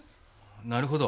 なるほど。